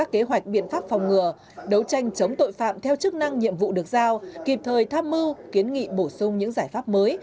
kế hoạch biện pháp phòng ngừa đấu tranh chống tội phạm theo chức năng nhiệm vụ được giao kịp thời tham mưu kiến nghị bổ sung những giải pháp mới